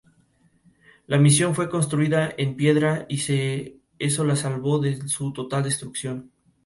La Misión fue construida en piedra y eso la salvó de su total destrucción.